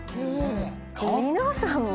皆さんも。